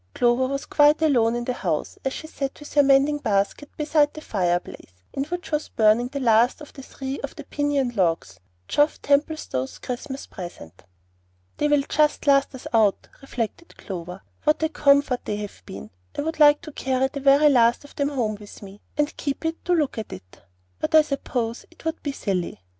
Clover was quite alone in the house, as she sat with her mending basket beside the fireplace, in which was burning the last but three of the piñon logs, Geoff Templestowe's Christmas present. "They will just last us out," reflected Clover; "what a comfort they have been! I would like to carry the very last of them home with me, and keep it to look at; but I suppose it would be silly."